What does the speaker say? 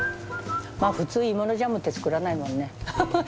まあ普通芋のジャムって作らないもんねハハッ。